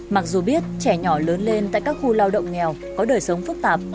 mặc dù biết trẻ nhỏ lớn lên tại các khu lao động nghèo có đời sống phức tạp